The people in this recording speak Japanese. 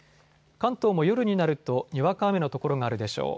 関東も夜になるとにわか雨の所があるでしょう。